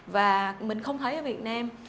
và mình không thấy ở việt nam